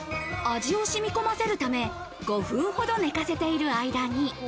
味を染み込ませるため、５分ほど寝かせている間に。